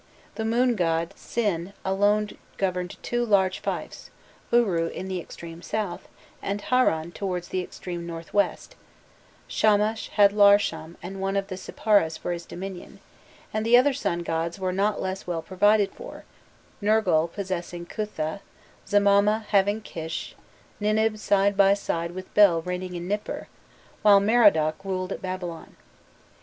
The moon god, Sin, alone governed two large fiefs, Uru in the extreme south, and Harran towards the extreme north west; Shamash had Larsam and one of the Sipparas for his dominion, and the other sun gods were not less well provided for, Nergal possessing Kutha, Zamama having Kish, Ninib side by side with Bel reigning in Nipur, while Merodach ruled at Babylon.